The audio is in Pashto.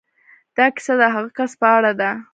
دا کيسه د هغه کس په اړه ده.